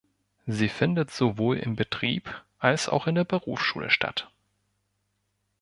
Sie findet sowohl im Betrieb als auch in der Berufsschule statt.